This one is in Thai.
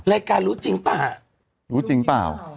รายการรู้จริงป่ะรู้จริงป่าว